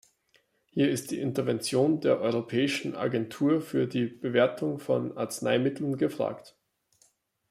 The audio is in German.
Hier ist die Intervention der Europäischen Agentur für die Bewertung von Arzneimitteln gefragt.